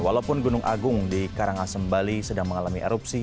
walaupun gunung agung di karangasem bali sedang mengalami erupsi